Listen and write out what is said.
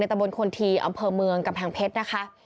ตะบนคนทีอำเภอเมืองกำแพงเพชรนะคะ